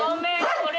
これ。